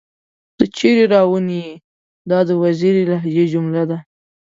تۀ چېرې راوون ئې ؟ دا د وزيري لهجې جمله ده